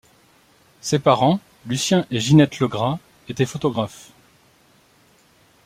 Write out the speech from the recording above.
Ses parents, Lucien et Ginette Legras, étaient photographes.